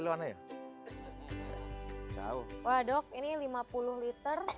wah dok ini lima puluh liter